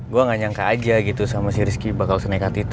gue gak nyangka aja gitu sama si rizky bakal senekat itu